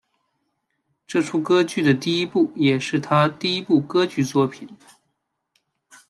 这出歌剧的第一部也是他第一部歌剧作品。